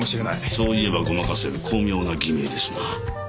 そう言えばごまかせる巧妙な偽名ですな。